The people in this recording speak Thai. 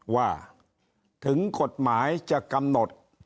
ว่าถึงกฎหมายจะกำหนด